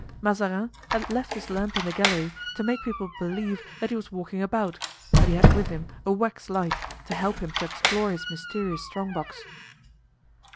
Mazarin had left his lamp in the gallery to make people believe that he was walking about, but he had with him a waxlight, to help him to explore his mysterious strong box.